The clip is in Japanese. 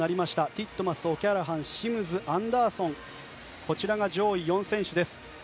ティットマス、オキャラハンシムズアンダーソンこちらが上位４選手。